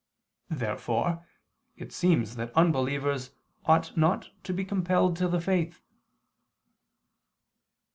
Therefore it seems that unbelievers ought not to be compelled to the faith.